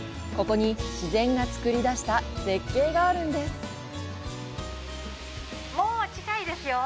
ここに、自然がつくり出した絶景があるんです。